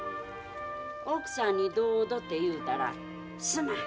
「奥さんにどうぞ」て言うたら「すまん」